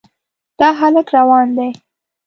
دا هلک روان دی.